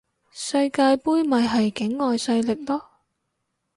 世界盃咪係境外勢力囉